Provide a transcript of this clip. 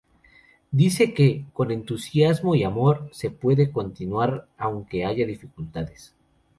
Dice que, con entusiasmo y amor, se puede continuar aunque haya dificultades.